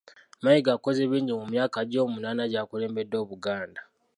Mayiga akoze bingi mu myaka gye omunaana gy'akulembedde Obuganda